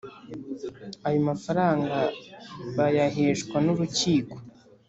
Ayo mafaranga bayaheshwa nurukiko.